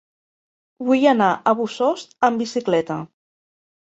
Vull anar a Bossòst amb bicicleta.